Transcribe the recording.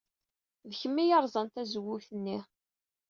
D kemm ay yerẓan tazewwut-nni.